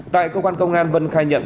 tại cơ quan công an vân khai nhận